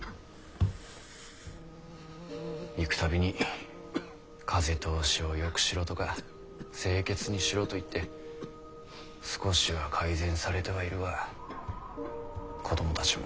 行く度に風通しをよくしろとか清潔にしろと言って少しは改善されてはいるが子供たちも。